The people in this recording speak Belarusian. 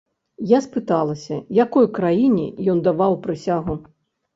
Я спыталася, якой краіне ён даваў прысягу?